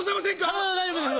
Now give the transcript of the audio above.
体は大丈夫です。